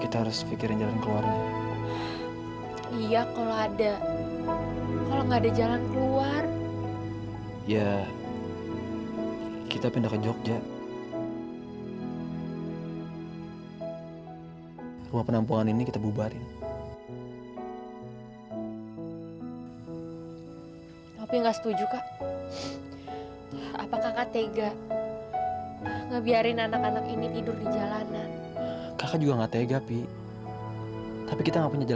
terus gimana tadi rapatnya dad